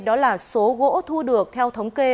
đó là số gỗ thu được theo thống kê